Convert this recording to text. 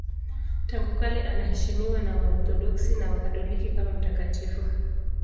Tangu kale anaheshimiwa na Waorthodoksi na Wakatoliki kama mtakatifu.